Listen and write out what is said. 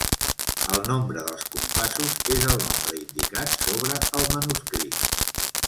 El nombre dels compassos és el nombre indicat sobre el manuscrit.